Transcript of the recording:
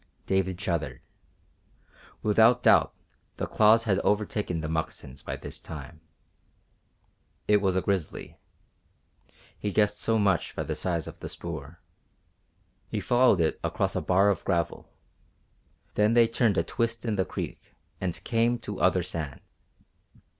David shuddered. Without doubt the claws had overtaken the moccasins by this time. It was a grizzly. He guessed so much by the size of the spoor. He followed it across a bar of gravel. Then they turned a twist in the creek and came to other sand.